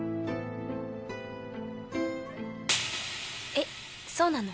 えっそうなの？